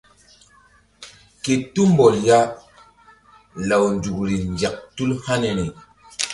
Ke tumbɔl ya law nzukri nzek tul haniri.